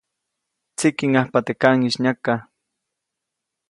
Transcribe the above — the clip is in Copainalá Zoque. Tsikiʼnajpa teʼ kaʼŋis nyaka.